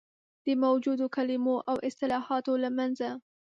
د موجودو کلمو او اصطلاحاتو له منځه.